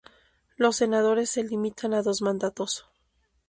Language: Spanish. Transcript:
Los senadores se limitan a dos mandatos.